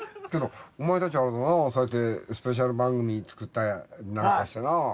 お前たちあれだなあそうやってスペシャル番組作ったりなんかしてなあ。